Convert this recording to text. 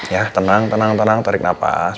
ya tenang tenang tenang tarik napas